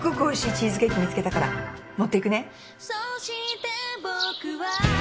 チーズケーキ見つけたから持っていくね。